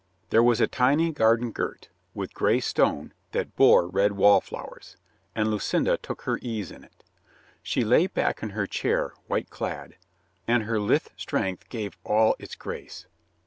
There was a tiny garden girt with gray stone that bore red wallflowers, and Lucinda took her ease in it. She lay back in her chair white clad, and her lithe strength gave all its grace.